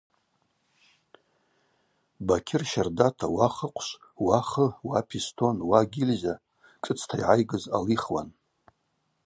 Бакьыр щардата уа хыхъвшв, уа хы, уа пистон, уа гильза шӏыцта йгӏайгыз алихуан.